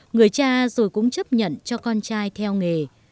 người cha rồi cũng chấp nhận cho con trai theo nghề